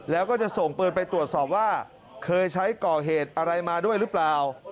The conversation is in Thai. แล้วก็จะส่งปืนไปตรวจสอบว่าเคยใช้ก่อเหตุอะไรมาด้วยหรือเปล่า